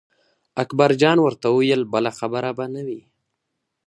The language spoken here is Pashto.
اکبر جان ورته وویل بله خبره به نه وي.